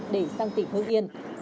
để sang tỉnh hương yên